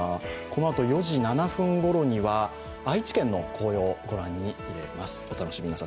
このあと４時７分ごろには愛知県の紅葉、ご覧にいれます。